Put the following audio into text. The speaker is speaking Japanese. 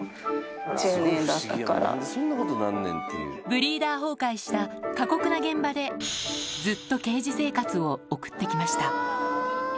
ブリーダー崩壊した過酷な現場でを送ってきました